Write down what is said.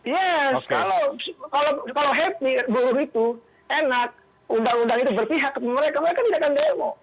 yes kalau happy buruh itu enak undang undang itu berpihak kepada mereka mereka tidak akan demo